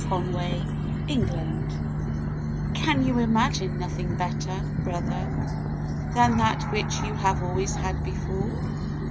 REASSURANCE * Can you imagine nothing better, brother, Than that which you have always had before?